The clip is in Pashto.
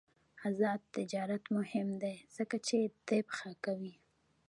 آزاد تجارت مهم دی ځکه چې طب ښه کوي.